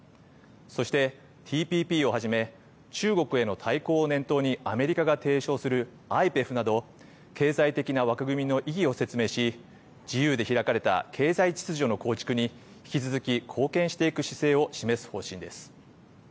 そしてＴＰＰをはじめ中国への対抗を念頭にアメリカが提唱するＩＰＥＦなど経済的な枠組みの意義を説明し自由で開かれた経済秩序の構築に引き続き貢献していく姿勢を示す方針です。